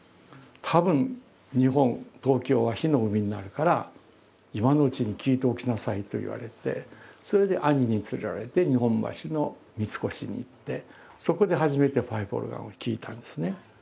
「たぶん日本東京は火の海になるから」と言われてそれで兄に連れられて日本橋の三越に行ってそこで初めてパイプオルガンを聴いたんですね。